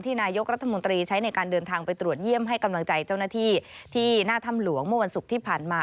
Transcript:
นายกรัฐมนตรีใช้ในการเดินทางไปตรวจเยี่ยมให้กำลังใจเจ้าหน้าที่ที่หน้าถ้ำหลวงเมื่อวันศุกร์ที่ผ่านมา